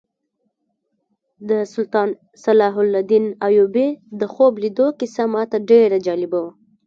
د سلطان صلاح الدین ایوبي د خوب لیدلو کیسه ماته ډېره جالبه وه.